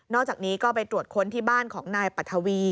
อกจากนี้ก็ไปตรวจค้นที่บ้านของนายปัทวี